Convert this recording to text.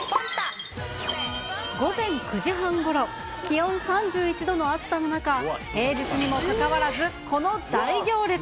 午前９時半ごろ、気温３１度の暑さの中、平日にもかかわらずこの大行列。